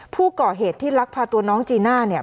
ผู้ก่อเหตุที่ลักพาตัวน้องจีน่าเนี่ย